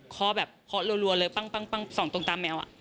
เคาะแบบเคาะรัวเลยปั้งส่องตรงตามแมว